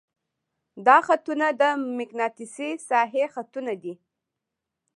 دا خطونه د مقناطیسي ساحې خطونه دي.